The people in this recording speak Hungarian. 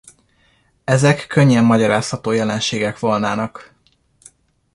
Ezek könnyen magyarázható jelenségek volnának.